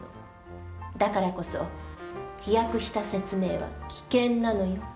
だからこそ飛躍した説明は危険なのよ。